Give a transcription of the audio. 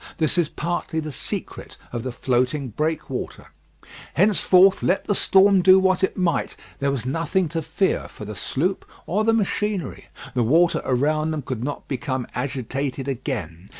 This is partly the secret of the floating breakwater. Henceforth, let the storm do what it might, there was nothing to fear for the sloop or the machinery. The water around them could not become agitated again.